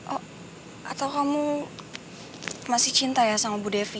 oh atau kamu masih cinta ya sama bu devi